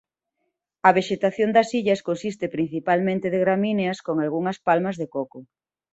A vexetación das illas consiste principalmente de gramíneas con algunhas palmas de coco.